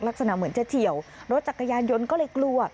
ลักษณะเหมือนจะเฉียวรถจักรยานยนต์ก็เลยกลัว